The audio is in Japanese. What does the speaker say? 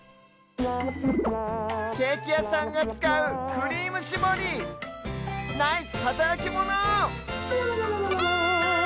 ケーキやさんがつかうクリームしぼりナイスはたらきモノ！